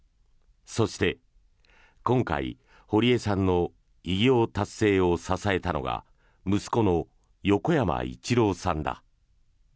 そして、今回堀江さんの偉業達成を支えたのが息子の横山一郎さんだ。